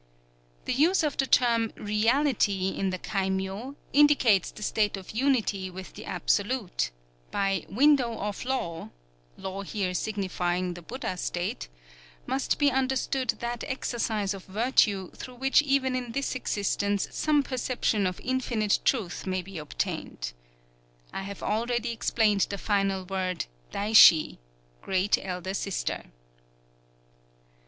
The use of the term "Reality" in the kaimyō indicates the state of unity with the Absolute; by "Window of Law" (Law here signifying the Buddha state) must be understood that exercise of virtue through which even in this existence some perception of Infinite Truth may be obtained. I have already explained the final word, Daishi ("great elder sister").